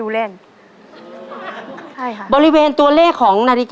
ตัวเลือดที่๓ม้าลายกับนกแก้วมาคอ